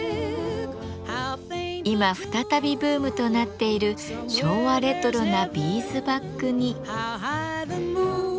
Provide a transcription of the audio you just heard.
今再びブームとなっている昭和レトロなビーズバッグに。